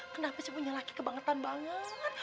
kenapa ibunya laki kebangetan banget